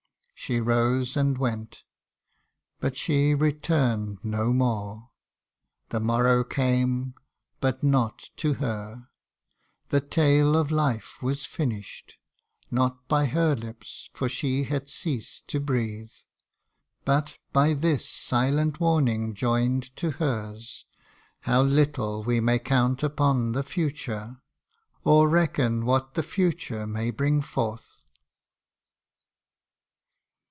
She rose and went, But she returned no more. The morrow came, ' But not to her; the tale of life was finished, Not by her lips, for she had ceased to breath. But, by this silent warning joined to hers, How little we may count upon the future, Or reckon what that future may bring forth